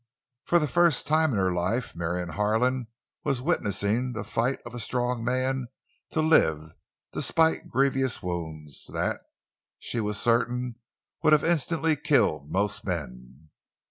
For the first time in her life Marion Harlan was witnessing the fight of a strong man to live despite grievous wounds that, she was certain, would have instantly killed most men.